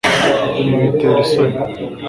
ibi bitera isoni